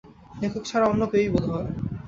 লেখক ছাড়া অন্য কেউই বোধহয়।